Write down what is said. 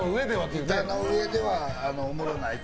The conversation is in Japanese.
板の上ではおもろいと。